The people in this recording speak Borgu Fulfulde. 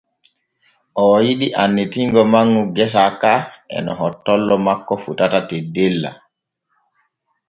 O yiɗi annitingo manŋu gesa ka e no hottollo makko fotata teddella.